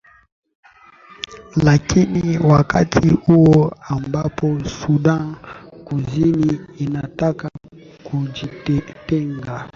lakini wakati huo ambapo sudan kusini inataka kujitenga